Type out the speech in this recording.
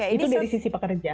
itu dari sisi pekerja